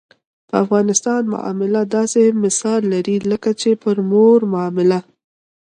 په افغانستان معامله داسې مثال لري لکه چې پر مور معامله.